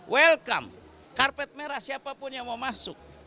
welcome karpet merah siapapun yang mau masuk